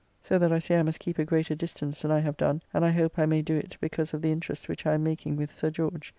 So that I see I must keep a greater distance than I have done, and I hope I may do it because of the interest which I am making with Sir George.